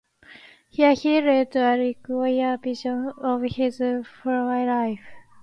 Here he led a quieter version of his former life.